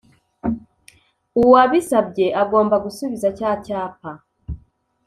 uwabisabye agomba gusubiza cya cyapa